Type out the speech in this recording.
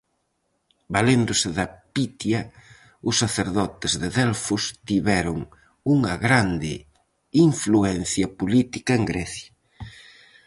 Valéndose da pitia, os sacerdotes de Delfos tiveron unha grande influencia política en Grecia.